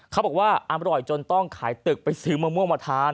เขาบอกว่าอร่อยจนต้องขายตึกไปซื้อมะม่วงมาทาน